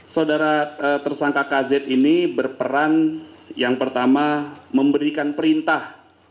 saudara tersangka kz ini berperan yang pertama memberikan perintah